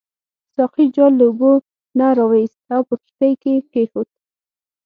ساقي جال له اوبو نه راوایست او په کښتۍ کې کېښود.